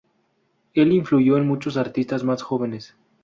Él influyó en muchos artistas más jóvenes.